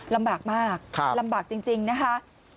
ลำบากมากลำบากจริงนะคะ